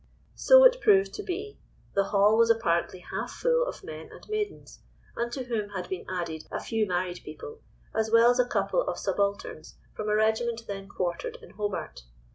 So it proved to be—the hall was apparently half full of men and maidens, unto whom had been added a few married people, as well as a couple of subalterns from a regiment then quartered in Hobart.